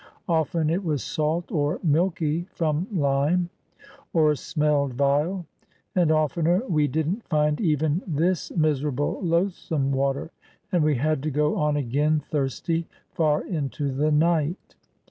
Often it was salt or milky from Ume, or smelled vile; and oftener we did n't find even this mis erable, loathsome water, and we had to go on again thirsty, far into the night.